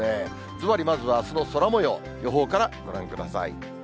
ずばりまずはあすの空もよう、予報からご覧ください。